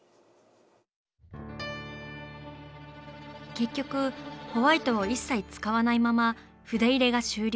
結局ホワイトを一切使わないまま筆入れが終了。